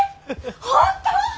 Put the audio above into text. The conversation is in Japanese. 本当！？